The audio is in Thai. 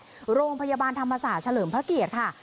โรงพยาบาลธรรมศาสตร์เฉลิมพระเกียรติค่ะ